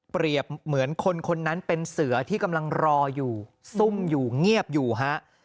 เหมือนคนคนนั้นเป็นเสือที่กำลังรออยู่ซุ่มอยู่เงียบอยู่ฮะ